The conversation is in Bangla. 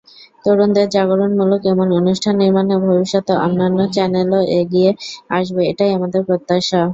তরুণদের জাগরণমূলক এমন অনুষ্ঠান নির্মাণে ভবিষ্যতে অন্যান্য চ্যানেলও এগিয়ে আসবে—এটাই আমাদের প্রত্যাশা।